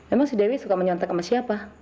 emang si dewi suka menyontak sama siapa